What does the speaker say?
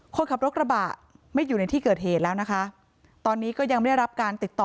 คนขับรถกระบะไม่อยู่ในที่เกิดเหตุแล้วนะคะตอนนี้ก็ยังไม่ได้รับการติดต่อ